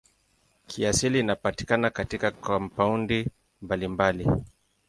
Kiasili inapatikana katika kampaundi mbalimbali.